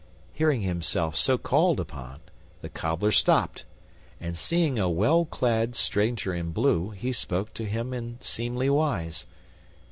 Hearing himself so called upon, the Cobbler stopped, and, seeing a well clad stranger in blue, he spoke to him in seemly wise.